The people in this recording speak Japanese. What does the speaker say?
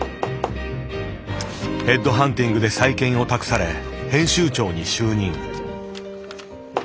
ヘッドハンティングで再建を託され編集長に就任。